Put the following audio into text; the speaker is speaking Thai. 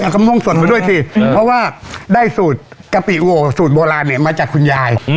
ก็ม่วงสดมาด้วยสิเพราะว่าได้สูตรกะปิโอสูตรโบราณเนี่ยมาจากคุณยาย